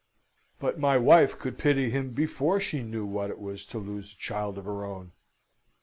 But my wife could pity him before she knew what it was to lose a child of her own.